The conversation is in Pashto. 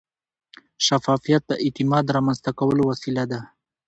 شفافیت د اعتماد رامنځته کولو وسیله ده.